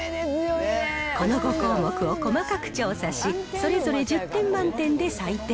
この５項目を細かく調査し、それぞれ１０点満点で採点。